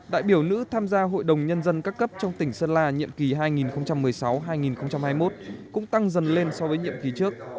đại biểu nữ tham gia hội đồng nhân dân các cấp trong tỉnh sơn la nhiệm kỳ hai nghìn một mươi sáu hai nghìn hai mươi một cũng tăng dần lên so với nhiệm kỳ trước